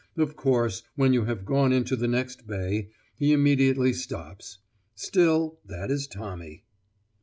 Of course, when you have gone into the next bay, he immediately stops. Still, that is Tommy.